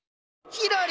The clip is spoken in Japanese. ひらり！